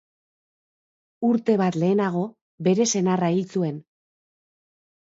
Urte bat lehenago bere senarra hil zuen.